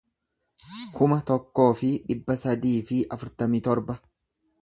kuma tokkoo fi dhibba sadii fi afurtamii torba